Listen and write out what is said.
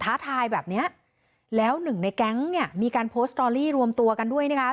ท้าทายแบบเนี้ยแล้วหนึ่งในแก๊งเนี่ยมีการโพสต์สตอรี่รวมตัวกันด้วยนะคะ